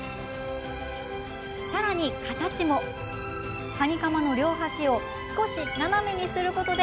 さらに形も、カニカマの両端を少し斜めにすることで